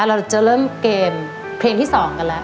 เราจะเริ่มเกมเพลงที่๒กันแล้ว